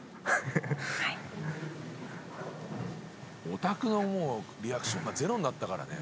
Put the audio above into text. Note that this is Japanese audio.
オタクのリアクションがゼロになったからね